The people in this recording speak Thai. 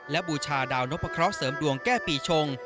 และบูชาดาวนพะเคราะห์เสริมดวงแก้ปีชง